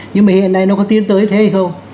nhưng mà hiện nay nó có tiến tới thế hay không